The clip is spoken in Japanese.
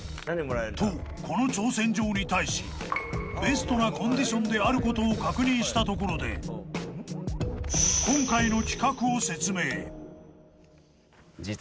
［とこの挑戦状に対しベストなコンディションであることを確認したところで今回の］